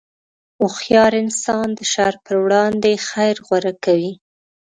هوښیار انسان د شر پر وړاندې خیر غوره کوي.